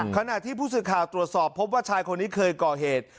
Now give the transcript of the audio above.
ขณะที่ผู้สื่อข่าวตรวจสอบพบว่าชายคนนี้เคยก่อเหตุ